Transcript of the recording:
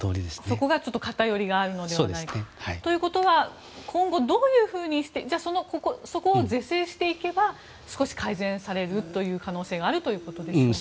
そこが偏りがあるのではないかと。ということは今後どういうふうにしてそこを是正していけば少し改善される可能性があるということでしょうか？